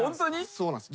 そうなんです。